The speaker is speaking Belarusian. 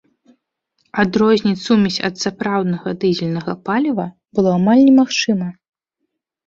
Адрозніць сумесь ад сапраўднага дызельнага паліва было амаль немагчыма.